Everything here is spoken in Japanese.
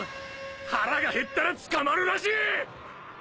腹が減ったら捕まるらしい！